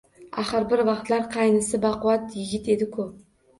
Axir, bir vaqtlar qaynisi baquvvat yigit edi-ku